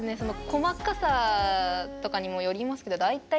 細かさとかにもよりますけどえ！